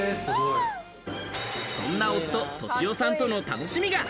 そんな夫・外志雄さんとの楽しみが。